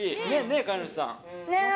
飼い主さん。